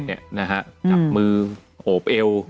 จับมือโหบเอว